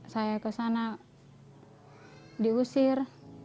saya ke sana diusir